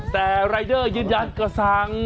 แต่รายเดอร์ยืนยันก็สั่ง